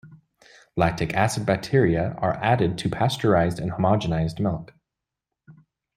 Lactic acid bacteria are added to pasteurized and homogenized milk.